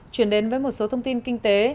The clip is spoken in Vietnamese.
chuyển đến với một số thông tin kinh tế